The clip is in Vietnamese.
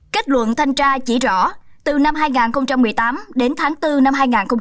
kết luận thanh tra chỉ rõ từ năm hai nghìn một mươi tám đến tháng bốn năm hai nghìn một mươi chín